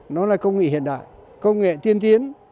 nó là công nghệ hiện đại công nghệ tiên tiến